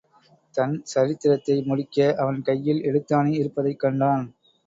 தன் சரித்திரத்தை முடிக்க அவன் கையில் எழுத்தாணி இருப்பதைக் கண்டான்.